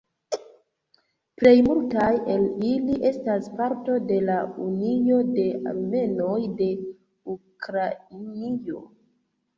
Plej multaj el ili estas parto de la "Unio de Armenoj de Ukrainio".